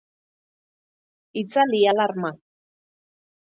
Itzali alarma.